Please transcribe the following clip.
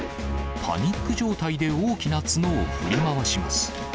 パニック状態で大きな角を振り回します。